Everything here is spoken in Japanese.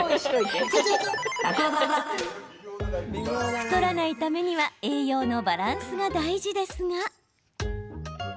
太らないためには栄養のバランスが大事ですが。